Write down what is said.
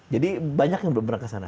jadi banyak yang belum pernah ke sana